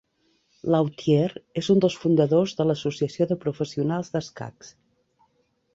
Lautier és un dels fundadors de l"Associació de Professionals d"Escacs.